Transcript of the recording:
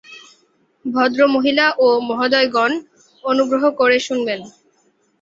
ভদ্রমহিলা ও মহোদয়গণ, অনুগ্রহ করে শুনবেন।